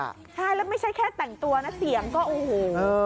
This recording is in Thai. ใช่แล้วไม่ใช่แค่แต่งตัวนะเสียงก็โอ้โห